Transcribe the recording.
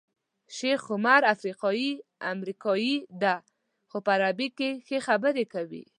شیخ عمر افریقایی امریکایی دی خو په عربي کې ښې خبرې کوي.